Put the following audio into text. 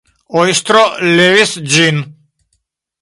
Ojstro levis ĝin.